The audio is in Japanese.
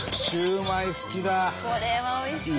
これはおいしい。